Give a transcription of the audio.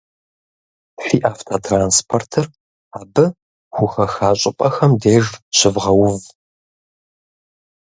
Фи автотранспортыр абы хухэха щӀыпӀэхэм деж щывгъэув.